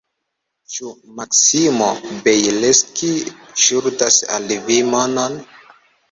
Ĉu Maksimo Bjelski ŝuldas al vi monon?